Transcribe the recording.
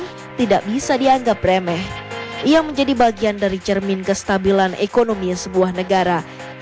nilai tukar mata uang tidak bisa dianggap remeh ia menjadi bagian dari cermin kestabilan ekonomi sebuah negara